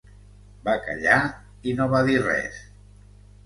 Bacallà, i no va dir res.